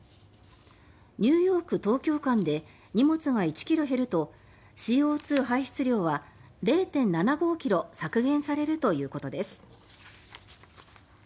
ニューヨーク東京間で荷物が１ｋｇ減るとＣＯ２排出量は０．７５ｋｇ削減されるということです。